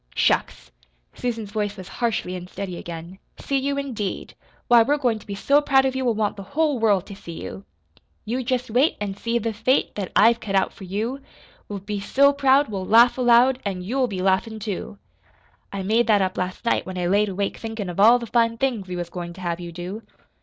"Shucks!" Susan's voice was harshly unsteady again. "See you, indeed! Why, we're goin' to be so proud of you we'll want the whole world to see you. You jest wait An' see the fate That I've cut out for you. We'll be so proud We'll laugh aloud, An' you'll be laughin', too! I made that up last night when I laid awake thinkin' of all the fine things we was goin' to have you do."